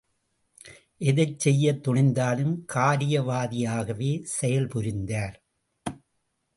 எதைச் செய்யத் துணிந்தாலும் காரியவாதியாகவே செயல் புரித்தார்!